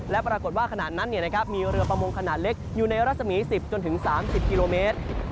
และปรากฏว่าขณะนั้นมีเรือประมงขนาดเล็กอยู่ในรัศมี๑๐จนถึง๓๐กิโลเมตร